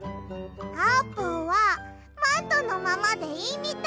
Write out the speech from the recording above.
あーぷんはマントのままでいいみたい！